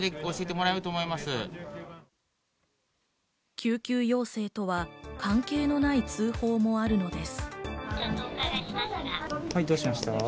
救急要請とは関係のない通報もあるのです。